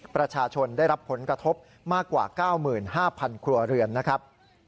ประชาชนได้รับผลกระทบมากกว่า๙๕๐๐ครัวเรือนนะครับ